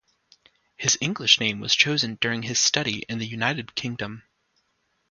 His English name was chosen during his study in the United Kingdom.